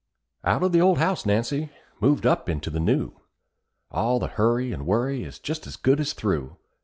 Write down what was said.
Out of the old house, Nancy moved up into the new; All the hurry and worry is just as good as through.